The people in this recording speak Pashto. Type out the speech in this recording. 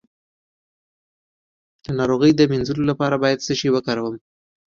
د ناروغۍ د مینځلو لپاره باید څه شی وکاروم؟